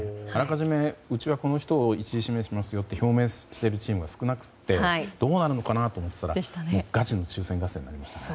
うちはこの人を１位指名するよと表明しているチームが少なくてどうなるのかなと思ってたらガチの抽選合戦になりましたね。